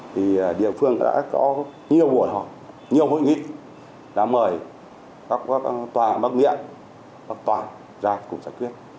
thì địa phương đã có nhiều buổi họp nhiều hội nghị đã mời các tòa bác nghiện học tòa ra cùng giải quyết